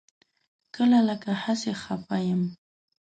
کله لکه هسې خپه یم.